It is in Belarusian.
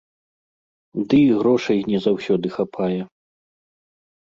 Ды і грошай не заўсёды хапае.